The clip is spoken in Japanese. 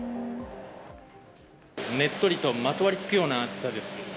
ねっとりとまとわりつくような暑さです。